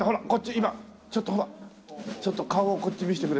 今ちょっとほらちょっと顔をこっち見せてくれて。